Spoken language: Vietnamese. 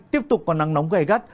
tiếp tục còn nắng nóng gây gắt